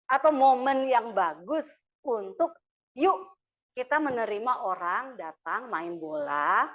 atau momen yang bagus untuk yuk kita menerima orang datang main bola